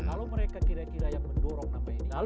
kalau mereka kira kira yang mendorong nama ini